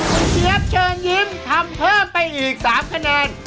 คุณเจี๊ยบเชิญยิ้มทำเพิ่มไปอีก๓คะแนน